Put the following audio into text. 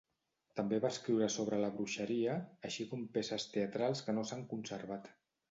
També va escriure sobre la bruixeria, així com peces teatrals que no s'han conservat.